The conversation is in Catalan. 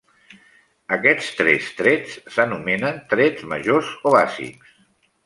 Aquests tres trets s'anomenen trets majors o bàsics.